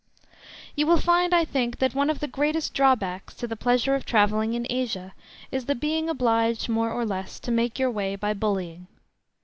You will find, I think, that one of the greatest draw backs to the pleasure of travelling in Asia is the being obliged, more or less, to make your way by bullying.